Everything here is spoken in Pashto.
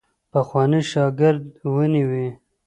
پخوانی شاګرد ونیوی.